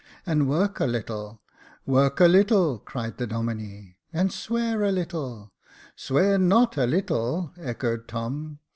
" And work a little —"" Work a little," cried the Domine. " And swear a little —"" Swear not a little," echoed Tom.